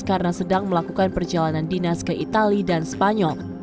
karena sedang melakukan perjalanan dinas ke itali dan spanyol